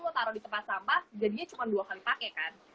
mau taruh di tempat sampah jadinya cuma dua kali pakai kan